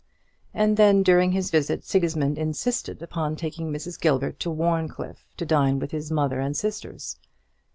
And then during his visit Sigismund insisted upon taking Mrs. Gilbert to Warncliffe to dine with his mother and sisters.